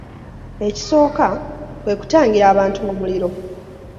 Ekisooka, kwe kutangira abantu omuliro.